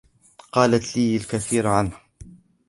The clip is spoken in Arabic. قالت لي الكثير عنك.